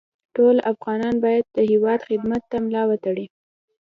ټول افغانان باید د هېواد خدمت ته ملا وتړي